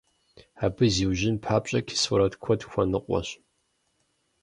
Абы зиужьын папщӀэ, кислород куэд хуэныкъуэщ.